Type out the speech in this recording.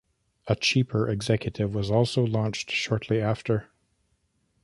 A cheaper Executive was also launched shortly after.